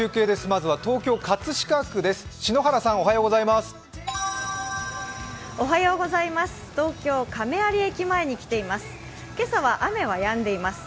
まずは東京・葛飾区です。